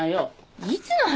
いつの話よ。